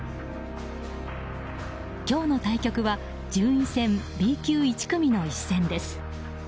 今日の対局は順位戦Ｂ級１組の一戦です。